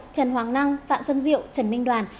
trần hoàng năng phạm xuân diệu trần minh đoàn